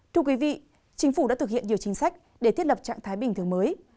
thưa quý vị chính phủ đã thực hiện nhiều chính sách để thiết lập trạng thái bình thường mới